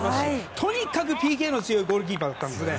とにかくＰＫが強いゴールキーパーだったんですね。